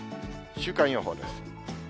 週間予報です。